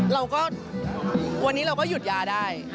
เราก็วันนี้เราก็หยุดยาได้